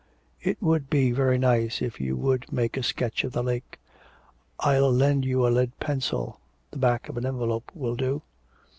'It would be very nice if you would make me a sketch of the lake. I'll lend you a lead pencil, the back of an envelope will do.'